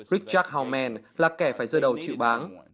richard hauptmann là kẻ phải rơi đầu chịu bán